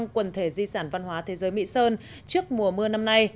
quần thể di sản văn hóa thế giới mỹ sơn trước mùa mưa năm nay